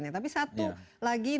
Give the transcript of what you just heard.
tapi satu lagi